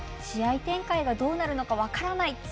試合展開がどうなるか分からない。